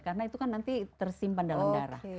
karena itu kan nanti tersimpan dalam darah